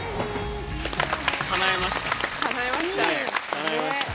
かなえました。